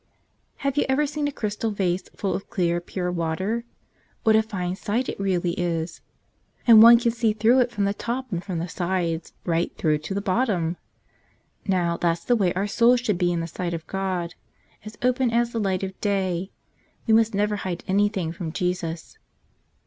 W^AVE you ever seen a crystal vase full of clear, ■^ pure water? What a fine sight it really is! W And one can see through it from the top and ^* from the sides — right through to the bottom! Now, that's the way our souls should be in the sight of God — as open as the light of day. We must never hide anything from Jesus